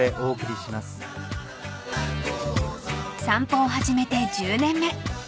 ［散歩を始めて１０年目。